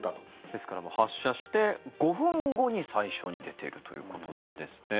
ですから発射して５分後に最初に出ているということなんですね。